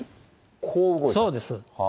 そうです。